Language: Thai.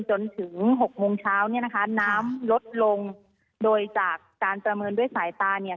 จนถึงหกโมงเช้าเนี่ยนะคะน้ำลดลงโดยจากการประเมินด้วยสายตาเนี่ย